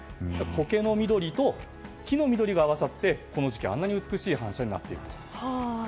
コケの緑と黄の緑が合わさってこの時期あんなに美しい反射になっていると。